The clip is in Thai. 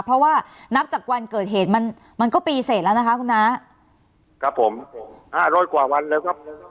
เพราะว่านับจากวันเกิดเหตุมันมันก็ปีเสร็จแล้วนะคะคุณน้าครับผมผมห้าร้อยกว่าวันแล้วครับ